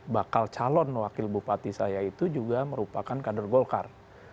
bakal calon wakil bupati saya itu juga merupakan kader golkar